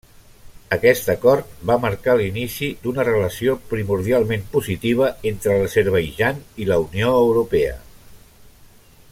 Aquest acord va marcar l'inici d'una relació primordialment positiva entre l'Azerbaidjan i la Unió Europea.